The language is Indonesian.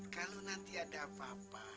kalau nanti ada apa apa